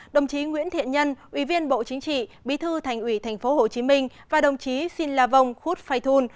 đồng chí nguyễn thiện nhân ủy viên bộ chính trị bí thư thành ủy tp hcm và đồng chí xin la vong khúc phay thun